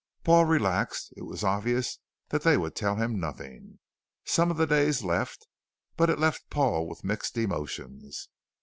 Paul relaxed. It was obvious that they would tell him nothing. Some of the daze left, but it left Paul with mixed emotions.